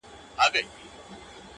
څوک وتله څوک په غار ننوتله,